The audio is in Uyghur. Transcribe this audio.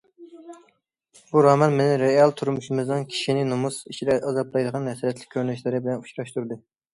بۇ رومان مېنى رېئال تۇرمۇشىمىزنىڭ كىشىنى نومۇس ئىچىدە ئازابلايدىغان ھەسرەتلىك كۆرۈنۈشلىرى بىلەن ئۇچراشتۇردى.